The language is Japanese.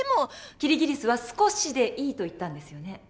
キリギリスは少しでいいと言ったんですよね？